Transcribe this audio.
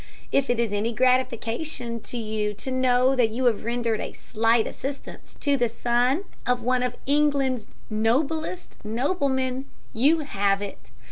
If it is any gratification to you to know that you have rendered a slight assistance to the son of one of England's noblest noblemen, you have it.